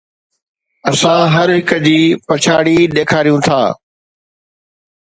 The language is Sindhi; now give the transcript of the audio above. اسان هر هڪ جي پڇاڙي ڏيکاريون ٿا